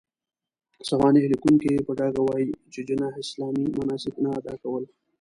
سوانح ليکونکي يې په ډاګه وايي، چې جناح اسلامي مناسک نه اداء کول.